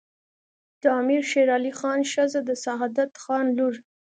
د امیر شیرعلي خان ښځه د سعادت خان لور